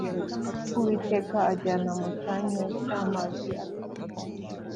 uwiteka ajyana mucyanya cya mazi adasuma